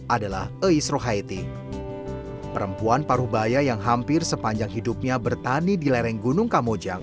adalah eis rohaiti perempuan paruh baya yang hampir sepanjang hidupnya bertani di lereng gunung kamojang